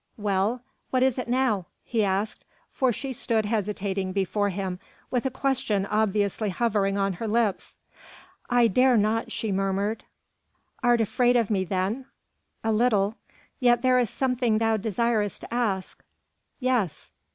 Well? what is it now?" he asked, for she stood hesitating before him, with a question obviously hovering on her lips. "I dare not," she murmured. "Art afraid of me then?" "A little." "Yet there is something thou desirest to ask?" "Yes."